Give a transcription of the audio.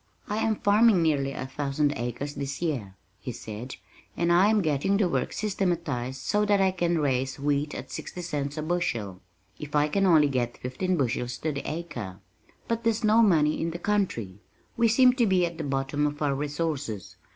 "I am farming nearly a thousand acres this year," he said, "and I'm getting the work systematized so that I can raise wheat at sixty cents a bushel if I can only get fifteen bushels to the acre. But there's no money in the country. We seem to be at the bottom of our resources.